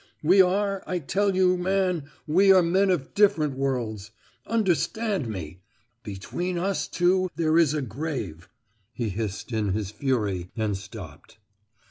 We are, I tell you, man, we are men of different worlds. Understand me! between us two there is a grave," he hissed in his fury, and stopped.